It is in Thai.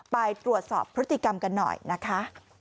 ไปตรวจสอบพฤติกรรมกันหน่อยนะคะ